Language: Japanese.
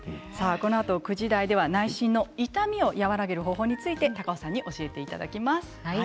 このあと９時台では内診の痛みを和らげる方法について教えていただきます。